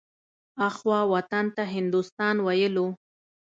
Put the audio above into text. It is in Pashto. اخوا وطن ته هندوستان ويلو.